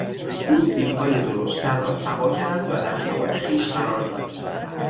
او سیبهای درشتتر را سوا کرد و در سبد خویش قرار داد.